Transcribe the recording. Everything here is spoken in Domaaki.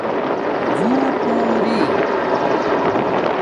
زُݸپُو اری